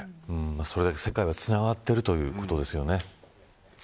それだけ、世界がつながっているということですよね。